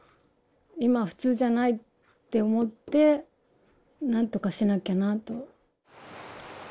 今普通じゃないって思ってなんとかしなきゃなと。